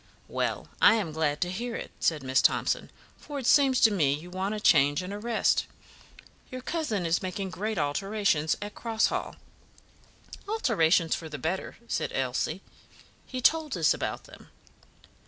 "Well, I am glad to hear it," said Miss Thomson, "for it seems to me you want a change and a rest. Your cousin is making great alterations at Cross Hall." "Alterations for the better," said Elsie. "He told us about them."